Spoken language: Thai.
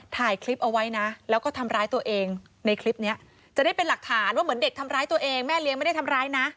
ถ่ายคลิปเอาไว้นะแล้วก็ทำร้ายตัวเองในคลิปนี้จะได้เป็นหลักฐานว่าเหมือนเด็กทำร้ายตัวเองแม่เลี้ยงไม่ได้ทำร้ายนะ